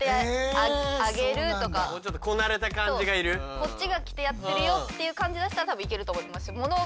こっちが着てやってるよっていう感じ出したら多分いけると思います。